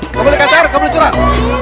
nggak boleh kacar nggak boleh curang